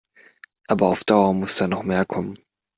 Aber auf Dauer muss da noch mehr kommen.